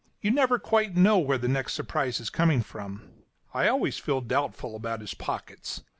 You never quite know where the next surprise is coming from. I always feel doubtful about his pockets.